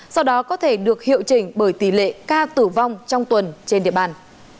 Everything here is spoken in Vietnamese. sau đó có thể được hiệu chỉnh bởi tỷ lệ ca tử vong trong tuần trên địa bàn